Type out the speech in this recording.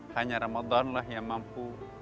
hanya ramadanlah yang mampu